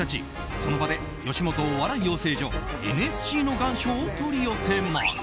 その場で吉本お笑い養成所ＮＳＣの願書を取り寄せます。